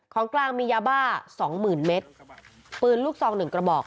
ของกลางมียาบ้าสองหมื่นเมตรปืนลูกซองหนึ่งกระบอก